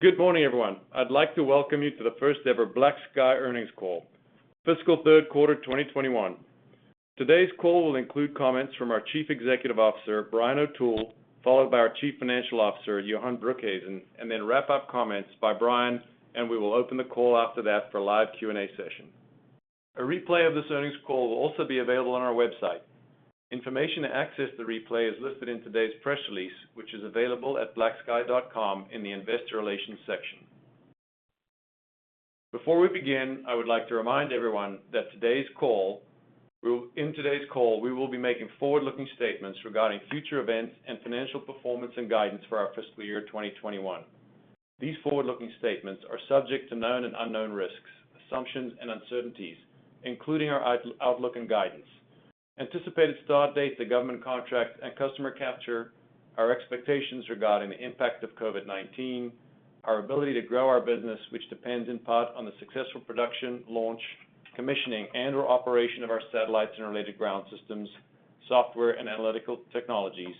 Good morning, everyone. I'd like to welcome you to the first ever BlackSky earnings call, fiscal third quarter 2021. Today's call will include comments from our Chief Executive Officer, Brian O'Toole, followed by our Chief Financial Officer, Johan Broekhuysen, and then wrap up comments by Brian, and we will open the call after that for a live Q&A session. A replay of this earnings call will also be available on our website. Information to access the replay is listed in today's press release, which is available at blacksky.com in the investor relations section. Before we begin, I would like to remind everyone that today's call, we will be making forward-looking statements regarding future events and financial performance and guidance for our fiscal year 2021. These forward-looking statements are subject to known and unknown risks, assumptions, and uncertainties, including our outlook and guidance. Anticipated start date, the government contract, and customer capture, our expectations regarding the impact of COVID-19, our ability to grow our business, which depends in part on the successful production, launch, commissioning, and/or operation of our satellites and related ground systems, software and analytical technologies,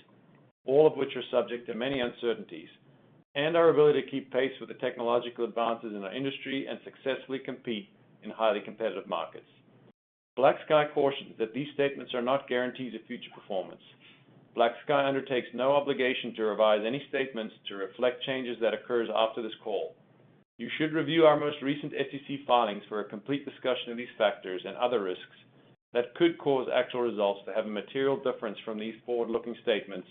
all of which are subject to many uncertainties. Our ability to keep pace with the technological advances in our industry and successfully compete in highly competitive markets. BlackSky cautions that these statements are not guarantees of future performance. BlackSky undertakes no obligation to revise any statements to reflect changes that occurs after this call. You should review our most recent SEC filings for a complete discussion of these factors and other risks that could cause actual results to have a material difference from these forward-looking statements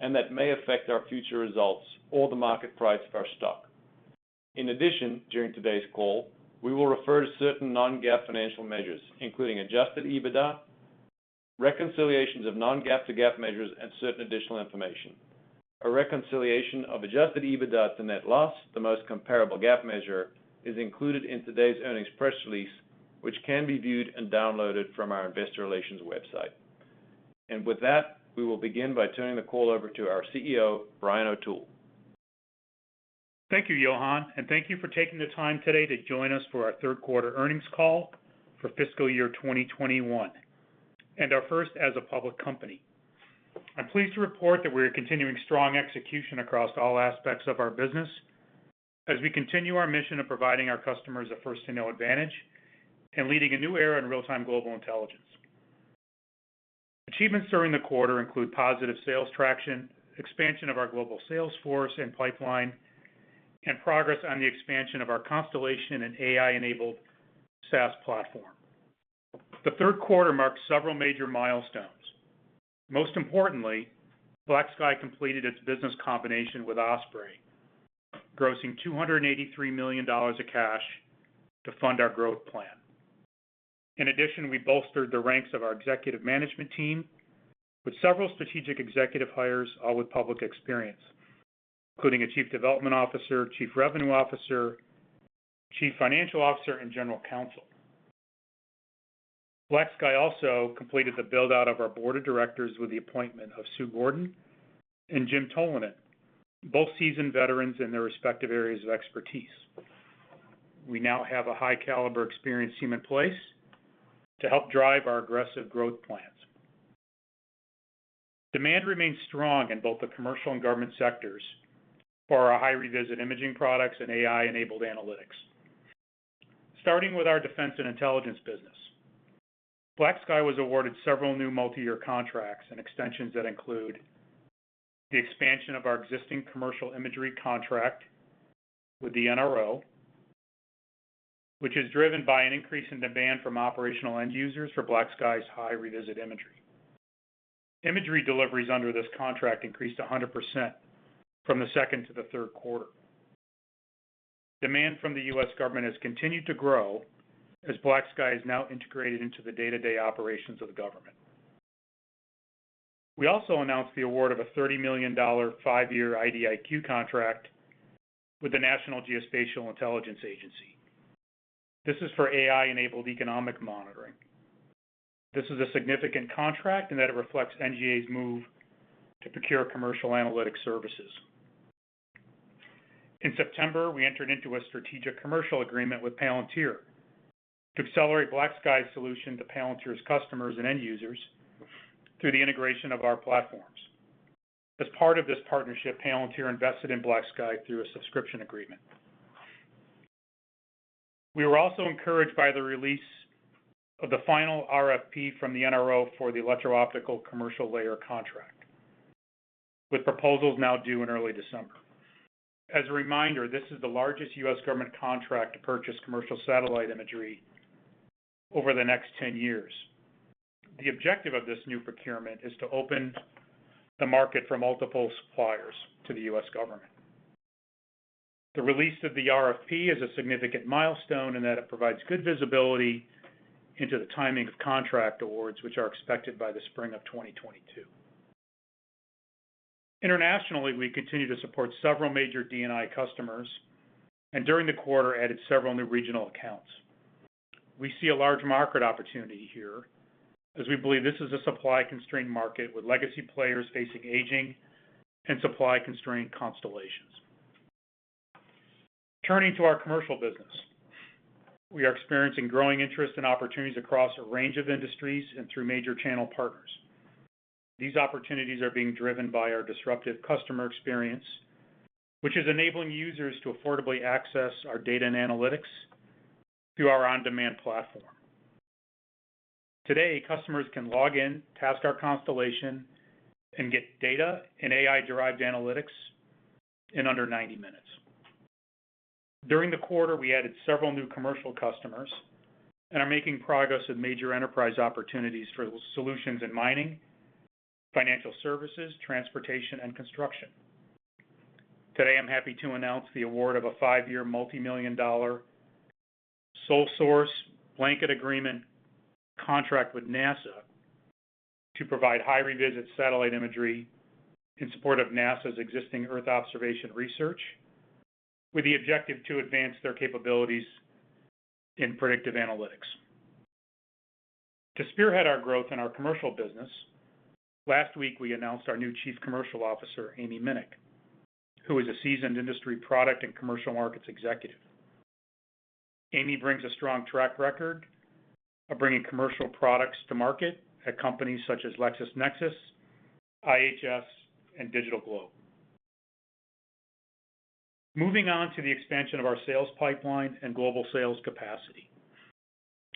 and that may affect our future results or the market price of our stock. In addition, during today's call, we will refer to certain non-GAAP financial measures, including adjusted EBITDA, reconciliations of non-GAAP to GAAP measures, and certain additional information. A reconciliation of adjusted EBITDA to net loss, the most comparable GAAP measure, is included in today's earnings press release, which can be viewed and downloaded from our investor relations website. With that, we will begin by turning the call over to our CEO, Brian O'Toole. Thank you, Johan, and thank you for taking the time today to join us for our third quarter earnings call for fiscal year 2021, and our first as a public company. I'm pleased to report that we are continuing strong execution across all aspects of our business as we continue our mission of providing our customers a first-to-know advantage and leading a new era in real-time global intelligence. Achievements during the quarter include positive sales traction, expansion of our global sales force and pipeline, and progress on the expansion of our constellation and AI-enabled SaaS platform. The third quarter marked several major milestones. Most importantly, BlackSky completed its business combination with Osprey, grossing $283 million of cash to fund our growth plan. In addition, we bolstered the ranks of our executive management team with several strategic executive hires, all with public experience, including a chief development officer, chief revenue officer, chief financial officer, and general counsel. BlackSky also completed the build-out of our board of directors with the appointment of Sue Gordon and Jim Tolonen, both seasoned veterans in their respective areas of expertise. We now have a high-caliber experienced team in place to help drive our aggressive growth plans. Demand remains strong in both the commercial and government sectors for our high-revisit imaging products and AI-enabled analytics, starting with our defense and intelligence business. BlackSky was awarded several new multi-year contracts and extensions that include the expansion of our existing commercial imagery contract with the NRO, which is driven by an increase in demand from operational end users for BlackSky's high-revisit imagery. Imagery deliveries under this contract increased 100% from the second to the third quarter. Demand from the U.S. government has continued to grow as BlackSky is now integrated into the day-to-day operations of the government. We also announced the award of a $30 million five-year IDIQ contract with the National Geospatial-Intelligence Agency. This is for AI-enabled economic monitoring. This is a significant contract in that it reflects NGA's move to procure commercial analytics services. In September, we entered into a strategic commercial agreement with Palantir to accelerate BlackSky's solution to Palantir's customers and end users through the integration of our platforms. As part of this partnership, Palantir invested in BlackSky through a subscription agreement. We were also encouraged by the release of the final RFP from the NRO for the Electro-Optical Commercial Layer contract, with proposals now due in early December. As a reminder, this is the largest U.S. government contract to purchase commercial satellite imagery over the next 10 years. The objective of this new procurement is to open the market for multiple suppliers to the U.S. government. The release of the RFP is a significant milestone in that it provides good visibility into the timing of contract awards, which are expected by the spring of 2022. Internationally, we continue to support several major DNI customers, and during the quarter, added several new regional accounts. We see a large market opportunity here as we believe this is a supply-constrained market with legacy players facing aging and supply-constrained constellations. Turning to our commercial business. We are experiencing growing interest in opportunities across a range of industries and through major channel partners. These opportunities are being driven by our disruptive customer experience, which is enabling users to affordably access our data and analytics through our on-demand platform. Today, customers can log in, task our constellation, and get data and AI-derived analytics in under 90 minutes. During the quarter, we added several new commercial customers and are making progress with major enterprise opportunities for solutions in mining, financial services, transportation, and construction. Today, I'm happy to announce the award of a five-year multi-million-dollar sole source blanket agreement contract with NASA to provide high revisit satellite imagery in support of NASA's existing Earth observation research, with the objective to advance their capabilities in predictive analytics. To spearhead our growth in our commercial business, last week we announced our new Chief Commercial Officer, Amy Minnick, who is a seasoned industry product and commercial markets executive. Amy brings a strong track record of bringing commercial products to market at companies such as LexisNexis, IHS, and DigitalGlobe. Moving on to the expansion of our sales pipeline and global sales capacity.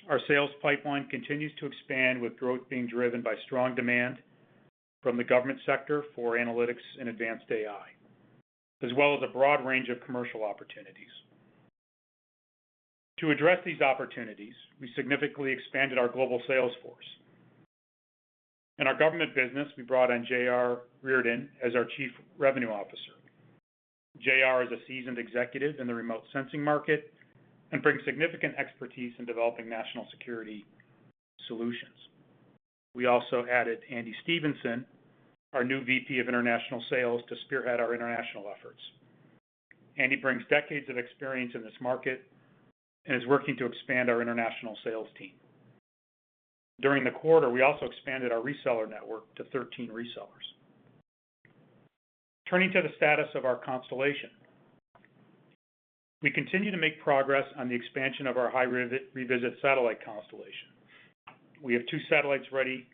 Our sales pipeline continues to expand with growth being driven by strong demand from the government sector for analytics and advanced AI, as well as a broad range of commercial opportunities. To address these opportunities, we significantly expanded our global sales force. In our government business, we brought in J.R. Riordan as our Chief Revenue Officer. J.R. is a seasoned executive in the remote sensing market and brings significant expertise in developing national security solutions. We also added Andy Stephenson, our new VP of International Sales, to spearhead our international efforts. Andy brings decades of experience in this market and is working to expand our international sales team. During the quarter, we also expanded our reseller network to 13 resellers. Turning to the status of our constellation. We continue to make progress on the expansion of our high revisit satellite constellation. We have two satellites ready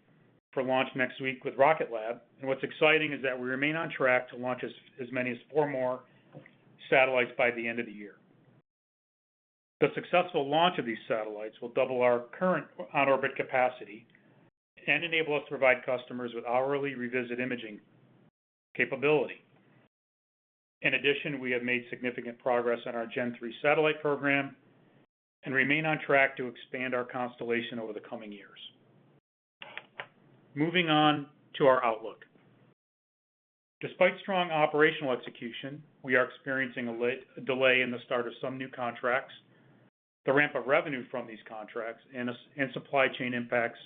for launch next week with Rocket Lab. What's exciting is that we remain on track to launch as many as four more satellites by the end of the year. The successful launch of these satellites will double our current on-orbit capacity and enable us to provide customers with hourly revisit imaging capability. In addition, we have made significant progress on our Gen-3 satellite program and remain on track to expand our constellation over the coming years. Moving on to our outlook. Despite strong operational execution, we are experiencing a delay in the start of some new contracts, the ramp of revenue from these contracts, and supply chain impacts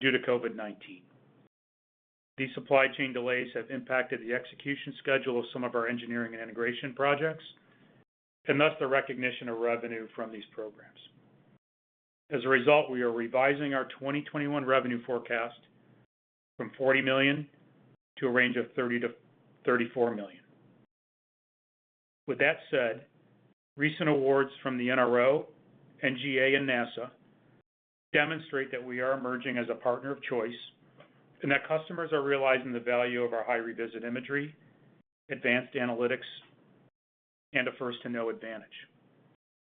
due to COVID-19. These supply chain delays have impacted the execution schedule of some of our engineering and integration projects, and thus the recognition of revenue from these programs. As a result, we are revising our 2021 revenue forecast from $40 million to a range of $30 million-$34 million. With that said, recent awards from the NRO, NGA, and NASA demonstrate that we are emerging as a partner of choice and that customers are realizing the value of our high revisit imagery, advanced analytics, and a first to know advantage.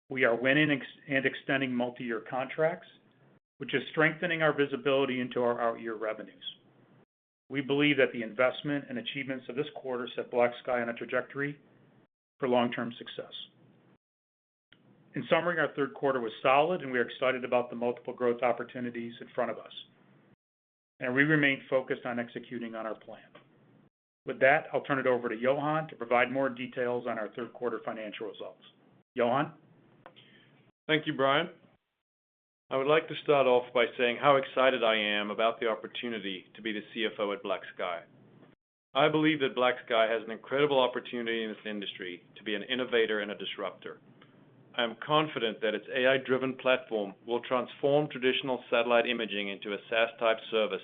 We are winning and extending multi-year contracts, which is strengthening our visibility into our out-year revenues. We believe that the investment and achievements of this quarter set BlackSky on a trajectory for long-term success. In summary, our third quarter was solid and we are excited about the multiple growth opportunities in front of us. We remain focused on executing on our plan. With that, I'll turn it over to Johan to provide more details on our third quarter financial results. Johan? Thank you, Brian. I would like to start off by saying how excited I am about the opportunity to be the CFO at BlackSky. I believe that BlackSky has an incredible opportunity in this industry to be an innovator and a disruptor. I am confident that its AI-driven platform will transform traditional satellite imaging into a SaaS-type service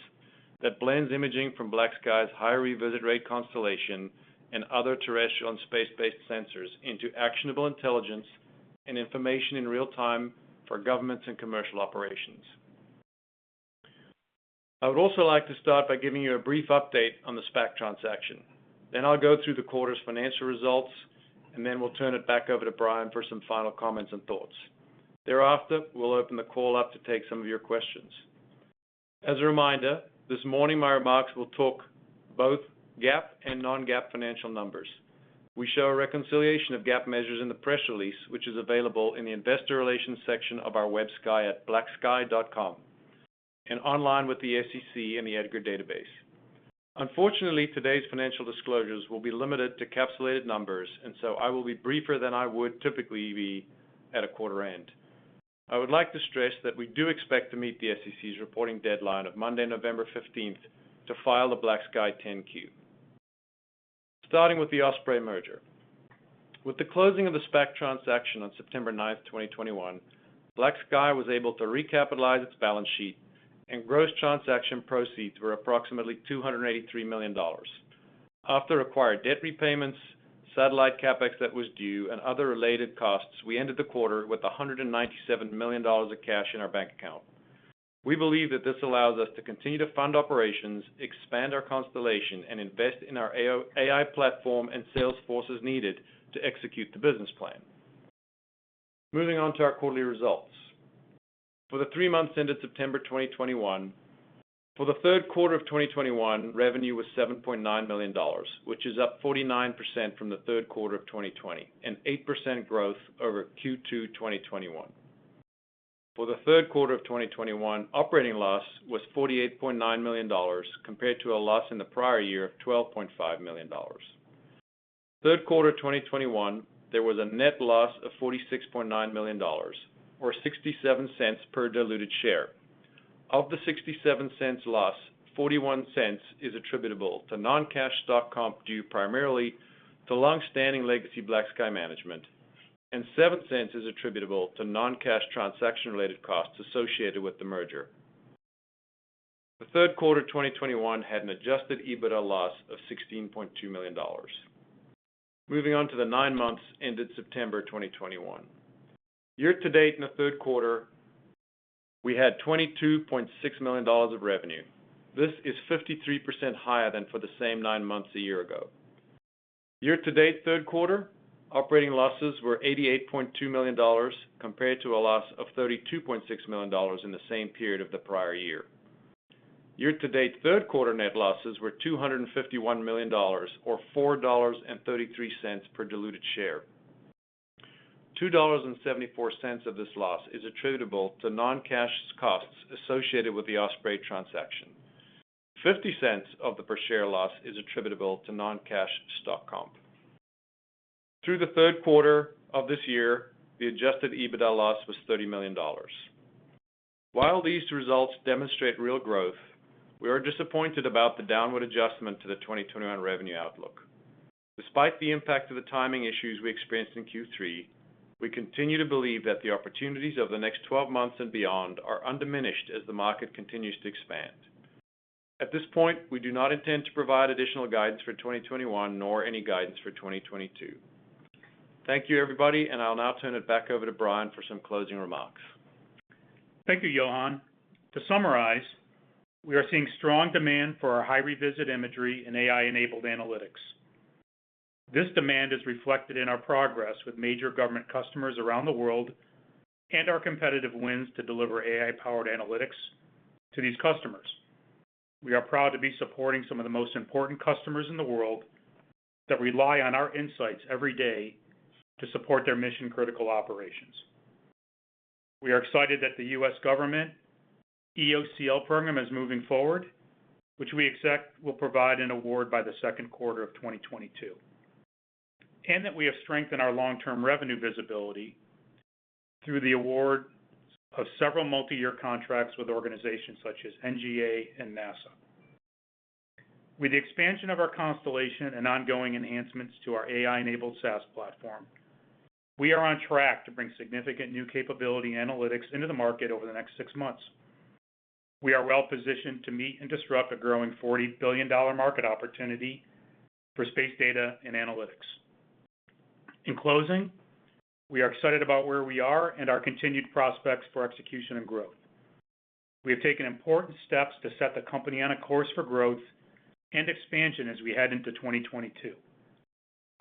that blends imaging from BlackSky's high revisit rate constellation and other terrestrial and space-based sensors into actionable intelligence and information in real time for governments and commercial operations. I would also like to start by giving you a brief update on the SPAC transaction. Then I'll go through the quarter's financial results, and then we'll turn it back over to Brian for some final comments and thoughts. Thereafter, we'll open the call up to take some of your questions. As a reminder, this morning, my remarks will talk both GAAP and non-GAAP financial numbers. We show a reconciliation of GAAP measures in the press release, which is available in the investor relations section of our website at blacksky.com and online with the SEC in the EDGAR database. Unfortunately, today's financial disclosures will be limited to encapsulated numbers, and so I will be briefer than I would typically be at a quarter end. I would like to stress that we do expect to meet the SEC's reporting deadline of Monday, November 15, to file the BlackSky 10-Q. Starting with the Osprey merger. With the closing of the SPAC transaction on September 9th, 2021, BlackSky was able to recapitalize its balance sheet and gross transaction proceeds were approximately $283 million. After required debt repayments, satellite CapEx that was due, and other related costs, we ended the quarter with $197 million of cash in our bank account. We believe that this allows us to continue to fund operations, expand our constellation, and invest in our AI platform and sales forces needed to execute the business plan. Moving on to our quarterly results. For the three months ended September 2021, for the third quarter of 2021, revenue was $7.9 million, which is up 49% from the third quarter of 2020, and 8% growth over Q2 2021. For the third quarter of 2021, operating loss was $48.9 million compared to a loss in the prior year of $12.5 million. Third quarter 2021, there was a net loss of $46.9 million or $0.67 per diluted share. Of the $0.67 loss, $0.41 is attributable to non-cash stock comp due primarily to long-standing legacy BlackSky management, and $0.07 is attributable to non-cash transaction-related costs associated with the merger. The third quarter 2021 had an Adjusted EBITDA loss of $16.2 million. Moving on to the nine months ended September 2021. Year to date in the third quarter, we had $22.6 million of revenue. This is 53% higher than for the same nine months a year ago. Year to date third quarter, operating losses were $88.2 million compared to a loss of $32.6 million in the same period of the prior year. Year to date third quarter net losses were $251 million or $4.33 per diluted share. $2.74 of this loss is attributable to non-cash costs associated with the Osprey transaction. $0.50 of the per share loss is attributable to non-cash stock comp. Through the third quarter of this year, the adjusted EBITDA loss was $30 million. While these results demonstrate real growth, we are disappointed about the downward adjustment to the 2021 revenue outlook. Despite the impact of the timing issues we experienced in Q3, we continue to believe that the opportunities over the next 12 months and beyond are undiminished as the market continues to expand. At this point, we do not intend to provide additional guidance for 2021 nor any guidance for 2022. Thank you, everybody, and I'll now turn it back over to Brian for some closing remarks. Thank you, Johan. To summarize, we are seeing strong demand for our high revisit imagery and AI-enabled analytics. This demand is reflected in our progress with major government customers around the world and our competitive wins to deliver AI-powered analytics to these customers. We are proud to be supporting some of the most important customers in the world that rely on our insights every day to support their mission-critical operations. We are excited that the U.S. Government EOCL program is moving forward, which we expect will provide an award by the second quarter of 2022, and that we have strengthened our long-term revenue visibility through the award of several multi-year contracts with organizations such as NGA and NASA. With the expansion of our constellation and ongoing enhancements to our AI-enabled SaaS platform, we are on track to bring significant new capability analytics into the market over the next six months. We are well positioned to meet and disrupt a growing $40 billion market opportunity for space data and analytics. In closing, we are excited about where we are and our continued prospects for execution and growth. We have taken important steps to set the company on a course for growth and expansion as we head into 2022.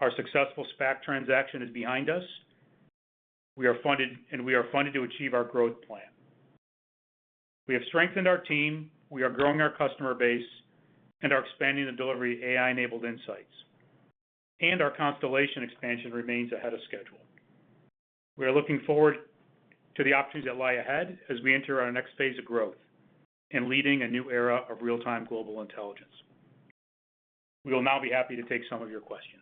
Our successful SPAC transaction is behind us. We are funded to achieve our growth plan. We have strengthened our team, we are growing our customer base, and are expanding the delivery of AI-enabled insights, and our constellation expansion remains ahead of schedule. We are looking forward to the opportunities that lie ahead as we enter our next phase of growth and leading a new era of real-time global intelligence. We will now be happy to take some of your questions.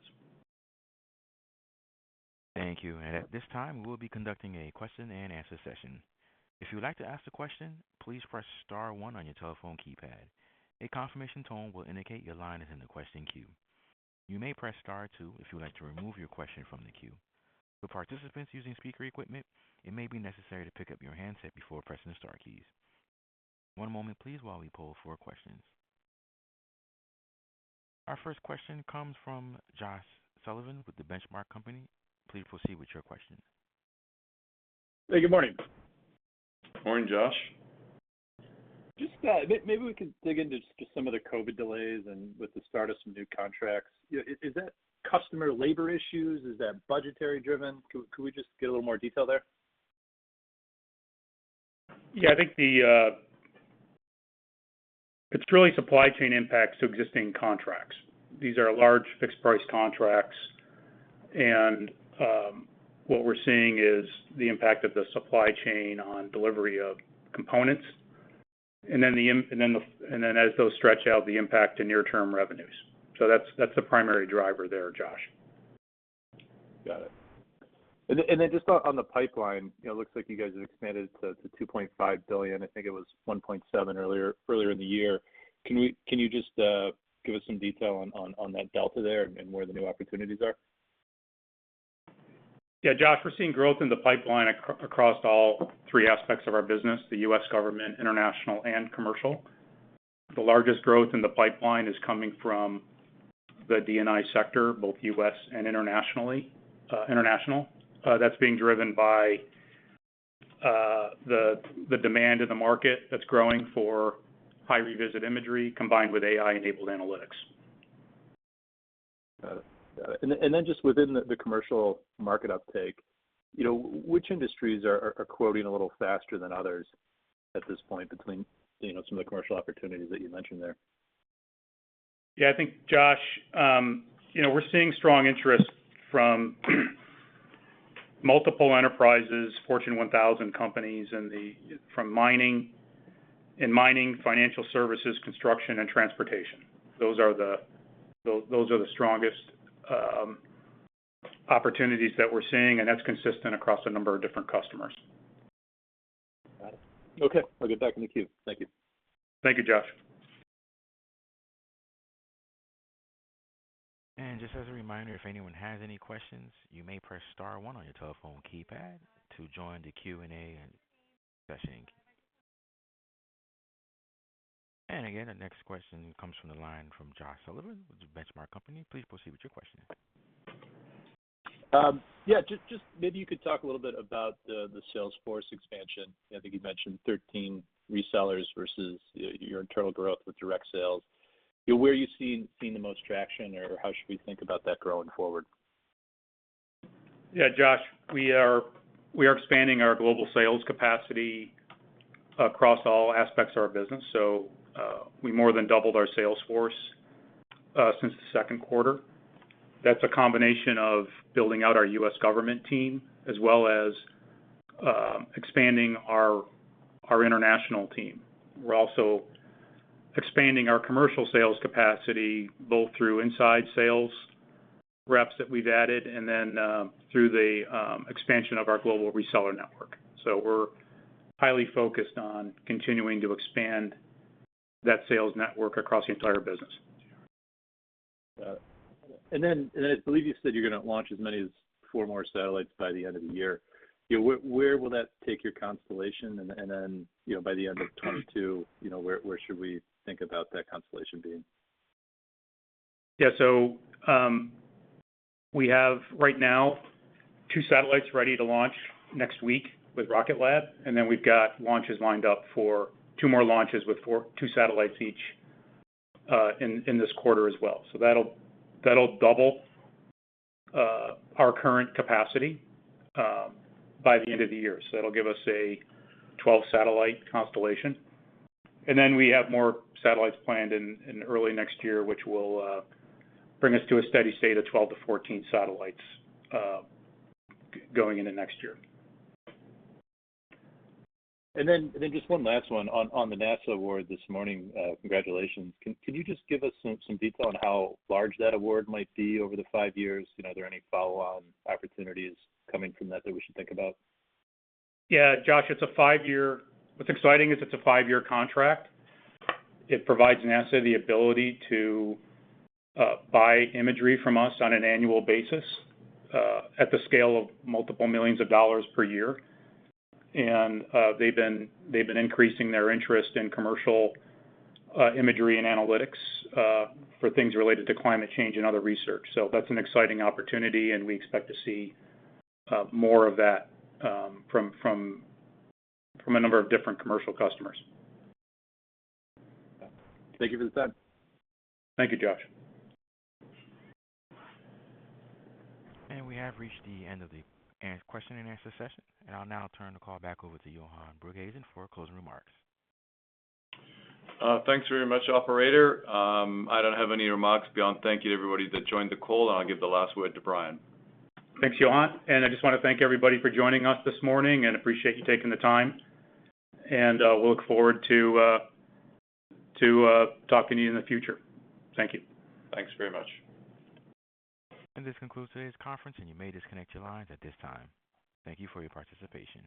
Thank you. At this time, we'll be conducting a question and answer session. If you would like to ask a question, please press star one on your telephone keypad. A confirmation tone will indicate your line is in the question queue. You may press star two if you would like to remove your question from the queue. For participants using speaker equipment, it may be necessary to pick up your handset before pressing the star keys. One moment please while we poll for questions. Our first question comes from Josh Sullivan with The Benchmark Company. Please proceed with your question. Hey, good morning. Morning, Josh. Just, maybe we could dig into just some of the COVID delays and with the start of some new contracts. You know, is that customer labor issues? Is that budgetary driven? Could we just get a little more detail there? Yeah, I think it's really supply chain impacts to existing contracts. These are large fixed price contracts, and what we're seeing is the impact of the supply chain on delivery of components, and then as those stretch out, the impact to near-term revenues. That's the primary driver there, Josh. Got it. Then just on the pipeline, you know, it looks like you guys have expanded to $2.5 billion. I think it was $1.7 billion earlier in the year. Can you just give us some detail on that delta there and where the new opportunities are? Yeah, Josh, we're seeing growth in the pipeline across all three aspects of our business, the U.S. government, international, and commercial. The largest growth in the pipeline is coming from the DNI sector, both U.S. and international. That's being driven by the demand in the market that's growing for high revisit imagery combined with AI-enabled analytics. Got it. Just within the commercial market uptake, you know, which industries are quoting a little faster than others at this point between, you know, some of the commercial opportunities that you mentioned there? Yeah, I think, Josh, you know, we're seeing strong interest from multiple enterprises, Fortune 1000 companies in mining, financial services, construction, and transportation. Those are the strongest opportunities that we're seeing, and that's consistent across a number of different customers. Got it. Okay, I'll get back in the queue. Thank you. Thank you, Josh. Just as a reminder, if anyone has any questions, you may press star one on your telephone keypad to join the Q&A session. Again, the next question comes from the line of Josh Sullivan with Benchmark Company. Please proceed with your question. Yeah, just maybe you could talk a little bit about the sales force expansion. I think you mentioned 13 resellers versus your internal growth with direct sales. You know, where are you seeing the most traction or how should we think about that growing forward? Yeah, Josh, we are expanding our global sales capacity across all aspects of our business. We more than doubled our sales force since the second quarter. That's a combination of building out our U.S. government team as well as expanding our international team. We're also expanding our commercial sales capacity, both through inside sales reps that we've added and then through the expansion of our global reseller network. We're highly focused on continuing to expand that sales network across the entire business. Got it. I believe you said you're gonna launch as many as four more satellites by the end of the year. You know, where will that take your constellation? You know, by the end of 2022, you know, where should we think about that constellation being? Yeah. We have right now two satellites ready to launch next week with Rocket Lab, and then we've got launches lined up for two more launches with two satellites each in this quarter as well. That'll double our current capacity by the end of the year. That'll give us a 12-satellite constellation. We have more satellites planned in early next year, which will bring us to a steady state of 12-14 satellites going into next year. Just one last one on the NASA award this morning, congratulations. Can you just give us some detail on how large that award might be over the five years? You know, are there any follow-on opportunities coming from that that we should think about? What's exciting is it's a five-year contract. It provides NASA the ability to buy imagery from us on an annual basis at the scale of multiple millions of dollars per year. They've been increasing their interest in commercial imagery and analytics for things related to climate change and other research. That's an exciting opportunity, and we expect to see more of that from a number of different commercial customers. Thank you for the time. Thank you, Josh. We have reached the end of the question-and-answer session, and I'll now turn the call back over to Johan Broekhuysen for closing remarks. Thanks very much, operator. I don't have any remarks beyond thank you to everybody that joined the call. I'll give the last word to Brian. Thanks, Johan. I just wanna thank everybody for joining us this morning and appreciate you taking the time. We'll look forward to talking to you in the future. Thank you. Thanks very much. This concludes today's conference, and you may disconnect your lines at this time. Thank you for your participation.